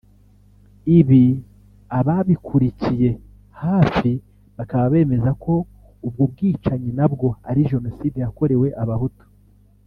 Ibi ababikurikiriye hafi bakaba bemeza ko ubwo bwicanyi nabwo ari génocide yakorewe Abahutu